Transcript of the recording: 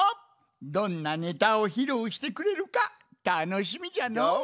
どんなネタをひろうしてくれるかたのしみじゃのう。